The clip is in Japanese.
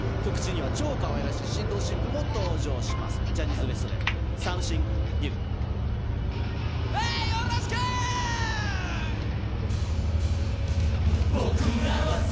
超かわいらしい新郎新婦も登場します。